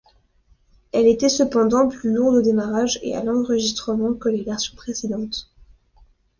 Elle était cependant plus lourde au démarrage et à l'enregistrement que les versions précédentes.